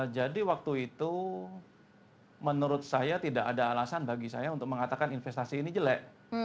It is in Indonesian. jadi waktu itu menurut saya tidak ada alasan bagi saya untuk mengatakan investasi ini jelek